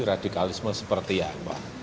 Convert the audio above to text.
radikalisme seperti apa